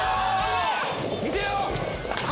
見てよ！